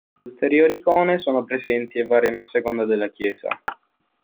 Ulteriori icone sono presenti e variano a seconda della chiesa.